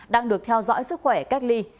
đang được theo dõi sức khỏe cách ly